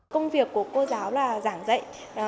công việc của cô giáo là giảng dạy